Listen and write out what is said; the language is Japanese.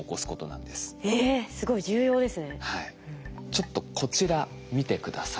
ちょっとこちら見て下さい。